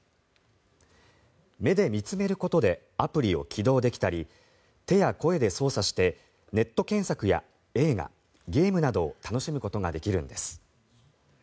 目で見つめることでアプリを起動できたり手や声で操作してネット検索や映画、ゲームなどを楽しむことができるんです。